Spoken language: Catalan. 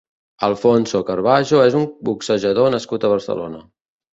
Alfonso Carbajo és un boxejador nascut a Barcelona.